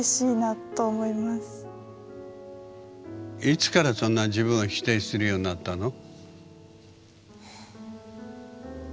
いつからそんな自分を否定するようになったの？